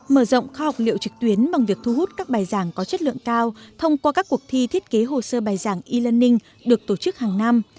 mở rộng kho học liệu trực tuyến bằng việc thu hút các bài giảng có chất lượng cao thông qua các cuộc thi thiết kế hồ sơ bài giảng e learning được tổ chức hàng năm